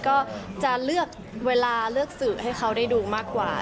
ก็จะเลือกเวลาเลือกสื่อให้เขาได้ดูมากกว่า